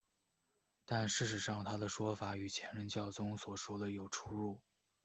但事实上他的说法与前任教宗所说的有出入。